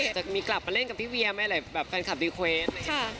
จะมีกลับมาเล่นกับพี่เวียนไหมแหละแบบแฟนคลับดีเควสค่ะ